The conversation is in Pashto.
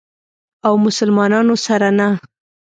او مسلمانانو سره نه.